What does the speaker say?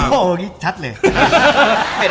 โอเคชัดเลย